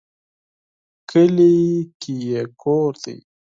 کلي کې یې کور دی